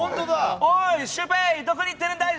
おーい、シュウペイどこに行ってるんだい！